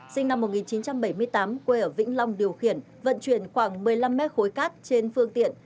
sinh năm một nghìn chín trăm bảy mươi tám quê ở vĩnh long điều khiển vận chuyển khoảng một mươi năm mét khối cát trên phương tiện